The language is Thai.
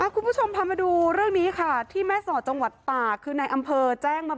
คุณผู้ชมพามาดูเรื่องนี้ค่ะที่แม่สอดจังหวัดตากคือในอำเภอแจ้งมา